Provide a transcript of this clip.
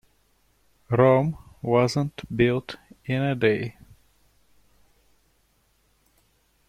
Rome wasn't built in a day.